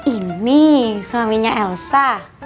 ini suaminya elsa